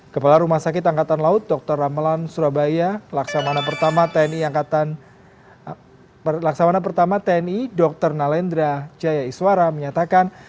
kepala rumah sakit angkatan laut dr ramlan surabaya laksamana pertama tni dr nalendra jaya iswara menyatakan